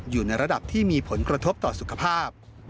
อยู่ในระดับที่มีผลกระทบต่อสุขภาพ